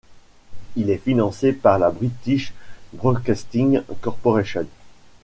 Il est financé par la British Broadcasting Corporation.